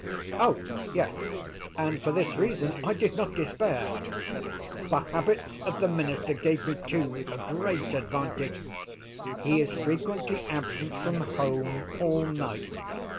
"Oh, yes; and for this reason I did not despair. The habits of the minister gave me, too, a great advantage. He is frequently absent from home all night.